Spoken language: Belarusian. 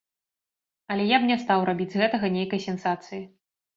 Але я б не стаў рабіць з гэтага нейкай сенсацыі.